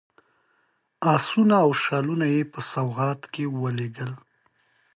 آسونه او شالونه په سوغات کې ولېږلي.